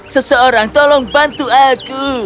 seseorang tolong bantu aku